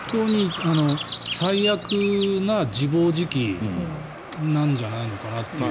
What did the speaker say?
最悪な自暴自棄なんじゃないのかなという。